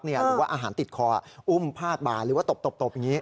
หรือว่าอาหารติดคออุ้มพาดบาหรือว่าตบอย่างนี้